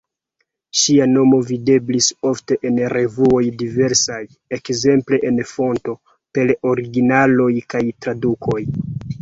Ŝia nomo videblis ofte en revuoj diversaj, ekzemple en Fonto, per originaloj kaj tradukoj.